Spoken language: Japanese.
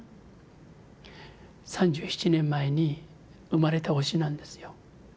３７年前に生まれた星なんですよ。